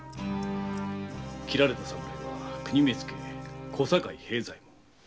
斬られた侍は国目付の小堺兵左衛門。